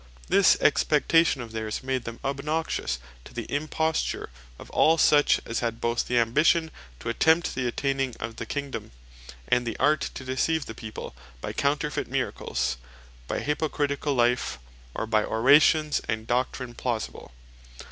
This expectation of theirs, made them obnoxious to the Imposture of all such, as had both the ambition to attempt the attaining of the Kingdome, and the art to deceive the People by counterfeit miracles, by hypocriticall life, or by orations and doctrine plausible.